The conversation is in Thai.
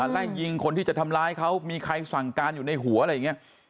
ไล่ยิงคนที่จะทำร้ายเขามีใครสั่งการอยู่ในหัวอะไรอย่างนี้